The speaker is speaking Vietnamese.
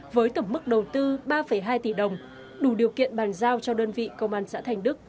với tổng mức đầu tư ba hai tỷ đồng đủ điều kiện bàn giao cho đơn vị công an xã thành đức